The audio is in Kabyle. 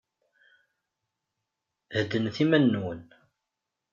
Heddnet iman-nwen.